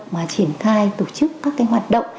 mà triển khai tổ chức các cái hoạt động